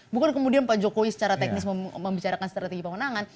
bukan kemudian pak jokowi secara teknis membicarakan strategi pemenangan